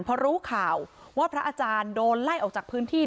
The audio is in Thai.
พอรู้ข่าวว่าพระอาจารย์โดนไล่ออกจากพื้นที่